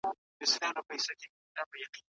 موږ باید په نړۍ کي د ثبات لپاره هڅه وکړو.